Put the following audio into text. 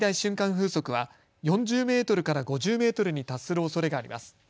風速は４０メートルから５０メートルに達するおそれがあります。